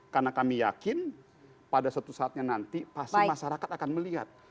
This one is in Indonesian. karena kami yakin pada suatu saatnya nanti pasti masyarakat akan melihat